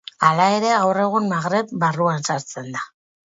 Hala ere, gaur egun, Magreb barruan sartzen da.